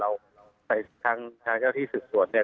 เราก็ไปทางที่ศึกตรวจเนี่ย